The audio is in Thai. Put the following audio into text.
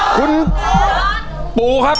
คุณปูครับ